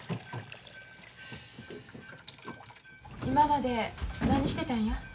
今まで何してたんや？